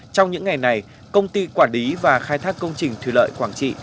trong những ngày này công ty quả đí và khai thác công trình thừa lợi quảng trị